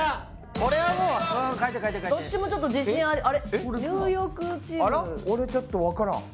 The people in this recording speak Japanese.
俺ちょっとわからん。